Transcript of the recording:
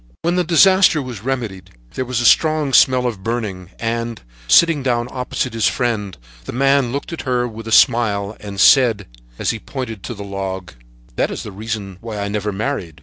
When the disaster was remedied, there was a strong smell of burning, and, sitting down opposite to his friend, the man looked at her with a smile and said, as he pointed to the log: "That is the reason why I never married."